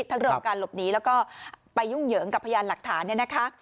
ทั้งเรื่องการหลบหนีแล้วก็ไปยุ่งเหยิงกับพยานหลักฐาน